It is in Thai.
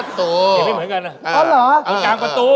๘โมงเช้า